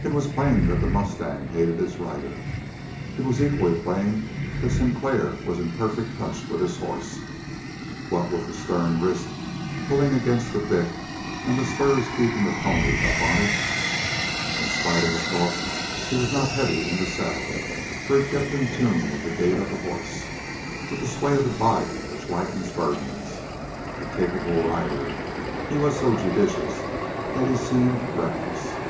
It was plain that the mustang hated its rider; it was equally plain that Sinclair was in perfect touch with his horse, what with the stern wrist pulling against the bit, and the spurs keeping the pony up on it. In spite of his bulk he was not heavy in the saddle, for he kept in tune with the gait of the horse, with that sway of the body which lightens burdens. A capable rider, he was so judicious that he seemed reckless.